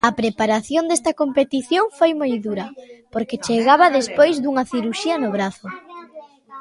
A preparación desta competición foi moi dura, porque chegaba despois dunha cirurxía no brazo.